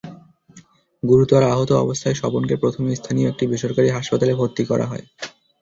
গুরুতর আহত অবস্থায় স্বপনকে প্রথমে স্থানীয় একটি বেসরকারি হাসপাতালে ভর্তি করা হয়।